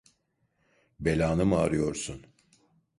Belanı mı arıyorsun?